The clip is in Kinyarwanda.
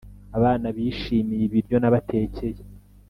Abana bishimiye ibiryo nabatekeye